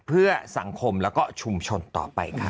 เพื่อสังคมแล้วก็ชุมชนต่อไปค่ะ